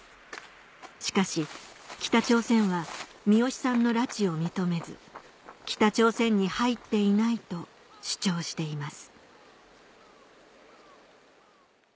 しかし北朝鮮はミヨシさんの拉致を認めず北朝鮮に入っていないと主張しています